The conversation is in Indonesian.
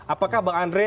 apakah bang andre